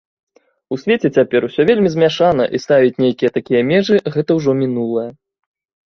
У свеце цяпер усё вельмі змяшана, і ставіць нейкія такія межы, гэта ўжо мінулае.